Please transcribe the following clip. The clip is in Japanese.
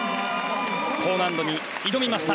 高難度に挑みました。